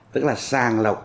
tức là sàng lọc